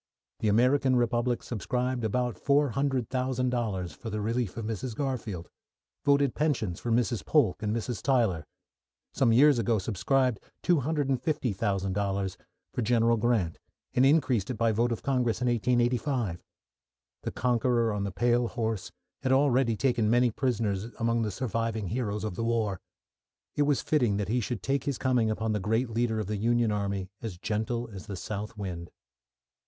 The American Republic subscribed about $400,000 for the relief of Mrs. Garfield; voted pensions for Mrs. Polk and Mrs. Tyler; some years ago subscribed $250,000 for General Grant, and increased it by vote of Congress in 1885. The Conqueror on the pale horse had already taken many prisoners among the surviving heroes of the war. It was fitting that he should make his coming upon the great leader of the Union Army as gentle as the south wind.